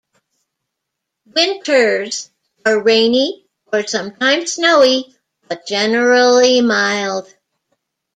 Winters are rainy or sometimes snowy, but generally mild.